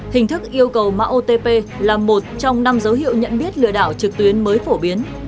hình thức yêu cầu mạng otp là một trong năm dấu hiệu nhận biết lừa đảo trực tuyến mới phổ biến